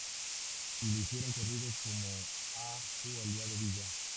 Y le hicieron corridos como a su aliado Villa.